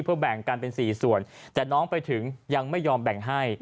เพื่อแบ่งกันเป็น๔ส่วนแต่น้องไปถึงยังไม่ยอมแบ่งให้